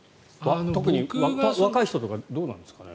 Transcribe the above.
特に若い人とかどうなんですかね。